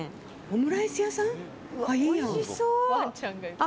オムライス屋さん？